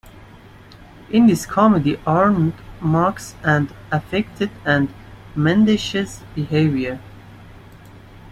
In this comedy Aanrud mocks at affected and mendacious behaviour.